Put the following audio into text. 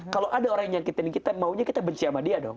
kalau ada orang yang nyakitin kita maunya kita benci sama dia dong